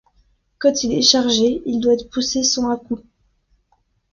Quand il est chargé, il doit être poussé sans à-coups.